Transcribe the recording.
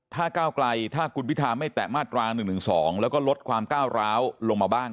ถ้าก้าวไกลถ้าคุณพิธาไม่แตะมาตรา๑๑๒แล้วก็ลดความก้าวร้าวลงมาบ้าง